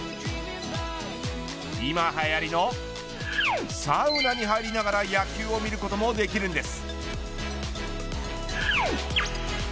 今はやりのサウナに入りながら野球を見ることもできるんです。